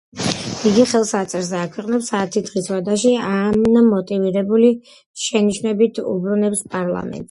იგი ხელს აწერს და აქვეყნებს ათი დღის ვადაში ან მოტივირებული შენიშვნებით უბრუნებს პარლამენტს